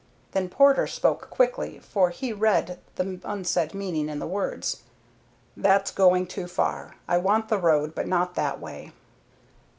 Then Porter spoke quickly, for he read the unsaid meaning in the words. "That's going too far. I want the road, but not that way."